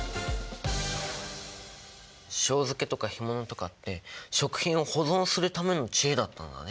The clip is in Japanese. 塩漬けとか干物とかって食品を保存するための知恵だったんだね。